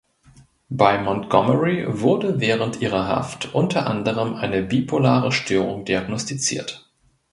Bei Montgomery wurde während ihrer Haft unter anderem eine bipolare Störung diagnostiziert.